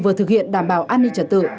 vừa thực hiện đảm bảo an ninh trật tự